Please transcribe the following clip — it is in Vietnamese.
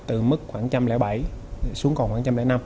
từ mức khoảng trăm linh bảy xuống còn khoảng một trăm linh năm